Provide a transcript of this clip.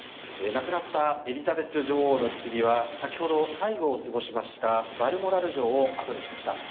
亡くなったエリザベス女王のひつぎは先ほど、最期を過ごしましたバルモラル城を後にしました。